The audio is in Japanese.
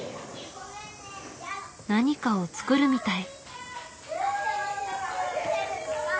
何かを作るみたい。